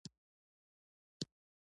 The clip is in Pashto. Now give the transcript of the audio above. د پستې ځنګلونه ملي عاید زیاتوي.